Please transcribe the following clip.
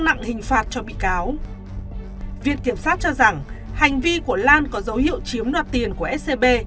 nặng hình phạt cho bị cáo viện kiểm sát cho rằng hành vi của lan có dấu hiệu chiếm đoạt tiền của scb